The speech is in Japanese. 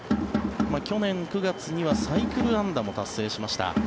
去年９月にはサイクル安打も達成しました。